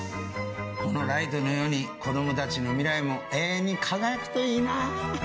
このライトのように子供たちの未来も永遠に輝くといいな。